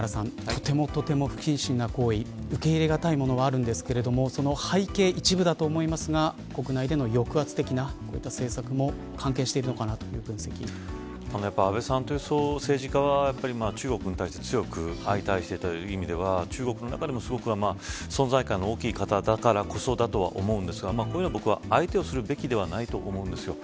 とてもとても不謹慎な行為受け入れ難いものがあるんですけれどもその背景、一部だと思いますが国内での抑圧的な政策も安倍さんという政治家は中国に対して強く相対していたという意味では中国の中でも、すごく存在感の大きい方だからこそだと思うんですがこういうのは相手をするべきではないと思うんです。